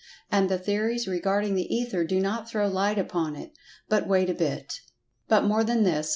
And the theories regarding the Ether do not throw light upon it. But wait a bit! But more than this.